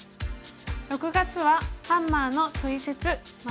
６月は「ハンマーのトリセツ③」。